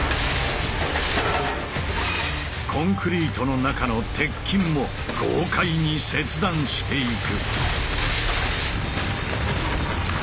コンクリートの中の鉄筋も豪快に切断していく。